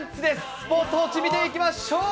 スポーツ報知、見ていきましょう。